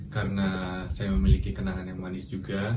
karena saya memiliki kenangan yang manis juga